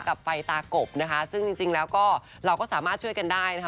กับไฟตากบนะคะซึ่งจริงแล้วก็เราก็สามารถช่วยกันได้นะคะ